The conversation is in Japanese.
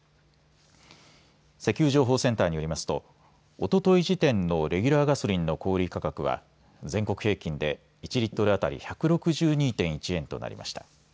石油情報センターによりますとおととい時点のレギュラーガソリンの小売価格は全国平均で１リットル当たり１６２．１円となりました。